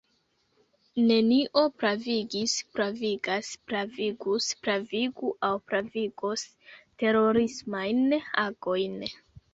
Nenio pravigis, pravigas, pravigus, pravigu aŭ pravigos terorismajn agojn.